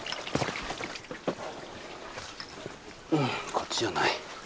こっちじゃない。